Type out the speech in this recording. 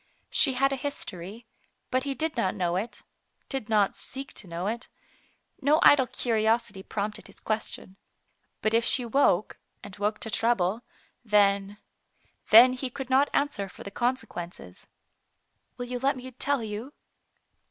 She had a history, but he did not know it — did not seek to know it. No idle curiosity prompted his question. But if she woke, and woke to trouble, then — then he could not answer for the consequences. " Will you let me tell you